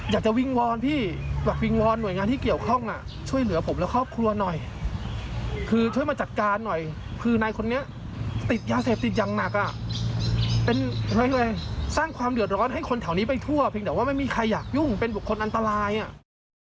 อยากจะวิงวอนพี่แบบวิงวอนหน่วยงานที่เกี่ยวข้องอ่ะช่วยเหลือผมและครอบครัวหน่อยคือช่วยมาจัดการหน่อยคือนายคนนี้ติดยาเสพติดอย่างหนักอ่ะเป็นสร้างความเดือดร้อนให้คนแถวนี้ไปทั่วเพียงแต่ว่าไม่มีใครอยากยุ่งเป็นบุคคลอันตรายอ่ะ